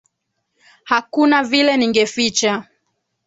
Hakuna vile ningeficha.